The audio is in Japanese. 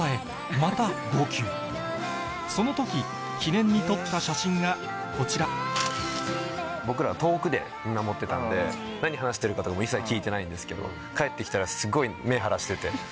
また号泣その時記念に撮った写真がこちら僕ら遠くで見守ってたんで何話してるかとか一切聞いてないんですけど帰って来たらすごい目腫らしてて。